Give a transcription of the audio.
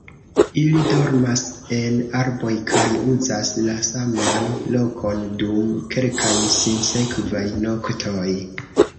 Ili dormas en arboj kaj uzas la saman lokon dum kelkaj sinsekvaj noktoj.